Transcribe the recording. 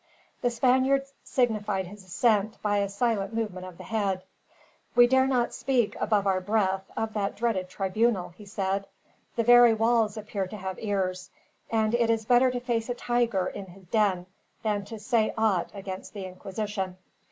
The Spaniard signified his assent by a silent movement of the head. "We dare not speak, above our breath, of that dreaded tribunal," he said. "The very walls appear to have ears; and it is better to face a tiger, in his den, than to say ought against the Inquisition.